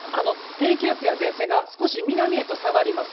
低気圧や前線が少し南へと下がります。